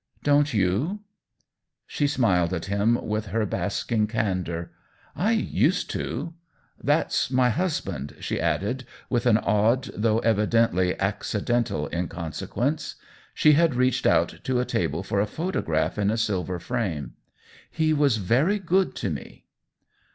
" Dont you ?" She smiled at him with her basking can dor. " I used to. That's my husband," she added, with an odd, though evidently ac cidental inconsequence. She had reached out to a table for a photograph in a silver frame. " He was very good to me."